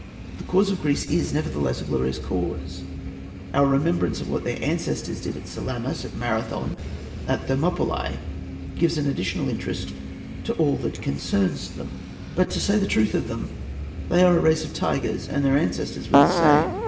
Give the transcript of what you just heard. The cause of Greece is, nevertheless, a glorious cause. Our remembrance of what their ancestors did at Salamis, at Marathon, at Thermopylae, gives an additional interest to all that concerns them. But, to say the truth of them, they are a race of tigers, and their ancestors were the same.